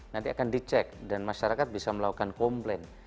nanti akan dicek dan masyarakat bisa melakukan komplain